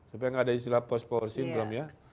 supaya nggak ada istilah post power syndrome ya